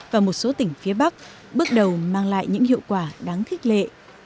và một số tỉnh phía bắc bước đầu mang lại những hiệu quả đáng khích lệ